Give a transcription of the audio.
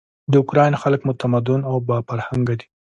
د اوکراین خلک متمدن او با فرهنګه دي.